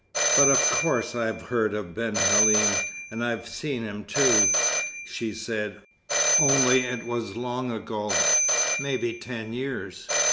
"But of course I have heard of Ben Halim, and I have seen him, too," she said; "only it was long ago maybe ten years.